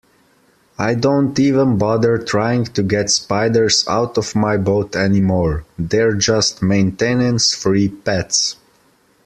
I don't even bother trying to get spiders out of my boat anymore, they're just maintenance-free pets.